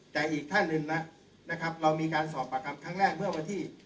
แต่อีกท่านหนึ่งนะครับเรามีการสอบปากคำครั้งแรกเมื่อวันที่